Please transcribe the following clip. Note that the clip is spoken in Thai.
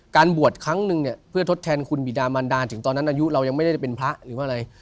บวชครั้งนึงเนี่ยเพื่อทดแทนคุณบิดามันดาถึงตอนนั้นอายุเรายังไม่ได้เป็นพระหรือว่าอะไร